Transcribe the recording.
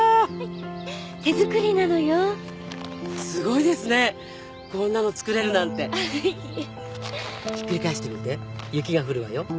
手作りなのよすごいですねこんなの作れるなんていいえひっくり返してみて雪が降るわよ